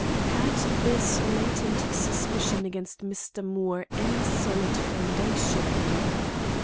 Had this latent suspicion against Mr. Moore any solid foundation?